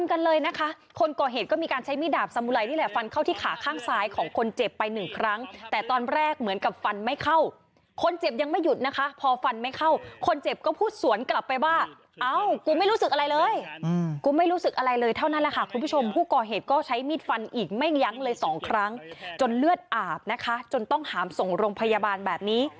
กันเลยนะคะคนก่อเหตุก็มีการใช้มีดดาบสมุไรนี่แหละฟันเข้าที่ขาข้างซ้ายของคนเจ็บไปหนึ่งครั้งแต่ตอนแรกเหมือนกับฟันไม่เข้าคนเจ็บยังไม่หยุดนะคะพอฟันไม่เข้าคนเจ็บก็พูดสวนกลับไปว่าเอ้ากูไม่รู้สึกอะไรเลยกูไม่รู้สึกอะไรเลยเท่านั้นแหละค่ะคุณผู้ชมผู้ก่อเหตุก็ใช้มีดฟันอีกไม่ยั้งเลยสองครั้งจนเลือดอาบนะคะจนต้องหามส่งโรงพยาบาลแบบนี้